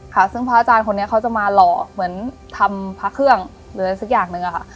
ค่ะซึ่งพระอาจารย์คนนี้เขาจะมาหล่อเหมือนทำพระเครื่องหรืออะไรสักอย่างหนึ่งอะค่ะ